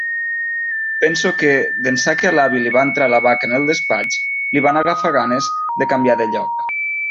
Penso que, d'ençà que a l'avi li va entrar la vaca en el despatx, li van agafar ganes de canviar de lloc.